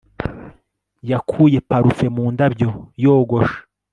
yakuye parufe mu ndabyo yogosha